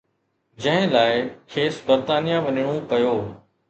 جنهن لاءِ کيس برطانيه وڃڻو پيو